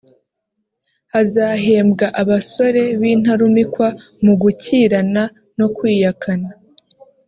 hazahembwa abasore b’intarumikwa mu gukirana no kwiyakana